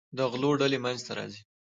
د غلو ډلې منځته راځي.